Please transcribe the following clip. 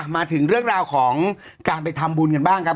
มาถึงเรื่องราวของการไปทำบุญกันบ้างครับ